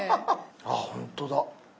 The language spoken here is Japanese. あっほんとだ。